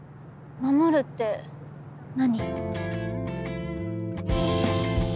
守るって何？